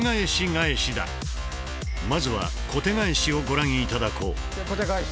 まずは「小手返し」をご覧頂こう。